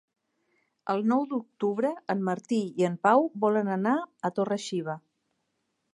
El nou d'octubre en Martí i en Pau volen anar a Torre-xiva.